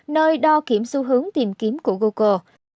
nơi đo kiểm xu hướng tìm kiếm của google